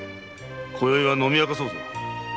今宵は飲み明かそうぞ。